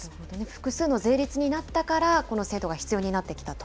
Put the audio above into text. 複数の税率になったから、この制度が必要になってきたと。